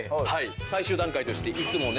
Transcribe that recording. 最終段階としていつもね